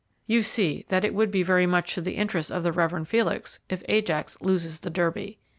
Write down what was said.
You see that it would be very much to the interest of the Rev. Felix if Ajax loses the Derby.